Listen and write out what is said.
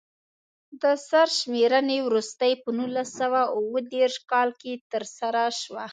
د سرشمېرنې وروستۍ په نولس سوه اووه دېرش کال کې ترسره شوه.